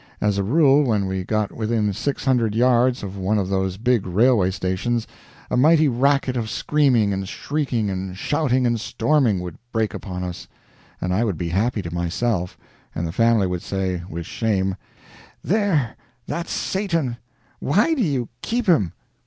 As a rule, when we got within six hundred yards of one of those big railway stations, a mighty racket of screaming and shrieking and shouting and storming would break upon us, and I would be happy to myself, and the family would say, with shame: "There that's Satan. Why do you keep him?"